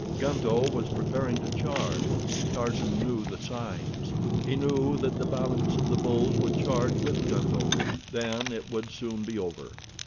Gunto was preparing to charge. Tarzan knew the signs. He knew that the balance of the bulls would charge with Gunto. Then it would soon be over.